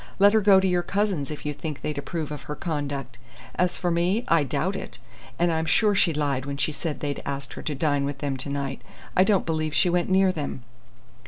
"Let her go to your cousins' if you think they'd approve of her conduct. As for me, I doubt it. And I'm sure she lied when she said they'd asked her to dine with them to night. I don't believe she went near them."